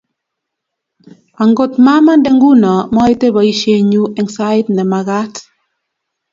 Angot mamande nguno, maite boishenyu eng sait ne makaat.